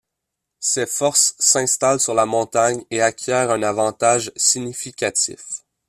Ses forces s'installent sur la montagne et acquièrent un avantage significatif.